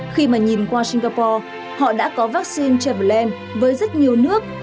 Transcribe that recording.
khi mà nhìn qua singapore họ đã có vắc xin traveland với rất nhiều nước